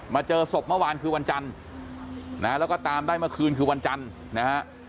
เจอศพเมื่อวานคือวันจันทร์นะฮะแล้วก็ตามได้เมื่อคืนคือวันจันทร์นะฮะ